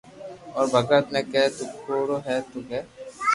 او ڀگت ني ڪي ڪي تو ڪوڙو ھي تو ڪي